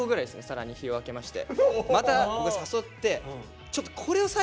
更に日を空けまして。